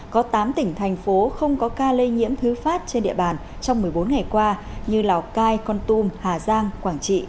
có tám tỉnh thành phố không có ca lây nhiễm thứ phát trên địa bàn trong một mươi bốn ngày qua như lào cai con tum hà giang quảng trị